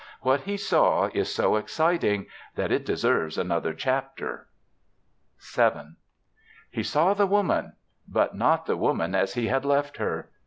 What he saw is so exciting that it deserves another chapter. VII He saw the Woman but not the Woman as he had left her.